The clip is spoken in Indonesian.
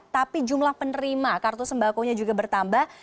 tapi jumlah penerima kartu sembakonya juga bertambah